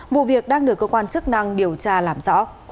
vụ việc đang được cơ quan chức năng điều tra làm rõ